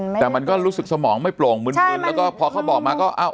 อืมแต่มันก็รู้สึกสมองไม่โปร่งมึนมึนแล้วก็พอเขาบอกมาก็อ้าว